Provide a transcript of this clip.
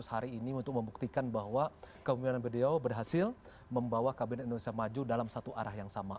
hari ini untuk membuktikan bahwa kemimpinan beliau berhasil membawa kabinet indonesia maju dalam satu arah yang sama